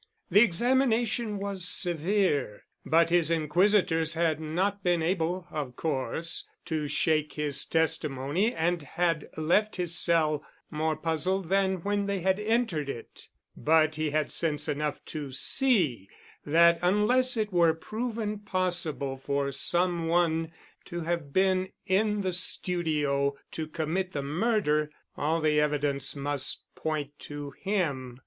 The examination was severe, but his inquisitors had not been able, of course, to shake his testimony and had left his cell more puzzled than when they had entered it. But he had sense enough to see that unless it were proven possible for some one to have been in the studio to commit the murder all the evidence must point to him.